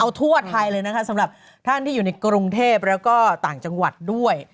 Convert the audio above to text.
เอาทั่วไทยเลยนะคะสำหรับท่านที่อยู่ในกรุงเทพแล้วก็ต่างจังหวัดด้วย